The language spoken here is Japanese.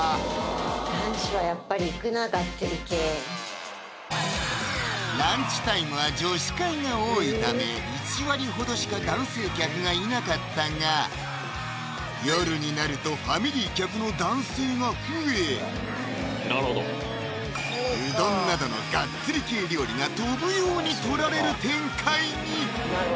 男子はやっぱりいくなガッツリ系ランチタイムは女子会が多いため１割ほどしか男性客がいなかったが夜になるとファミリー客の男性が増えうどんなどのガッツリ系料理が飛ぶように取られる展開に！